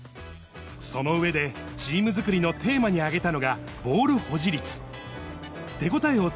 その上で、チーム作りのテーマに挙げたのが、ボール保持率。